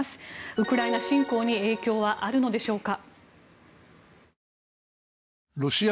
ウクライナ侵攻に影響はあるのでしょうか。